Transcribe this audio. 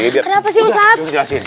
kenapa sih ustadz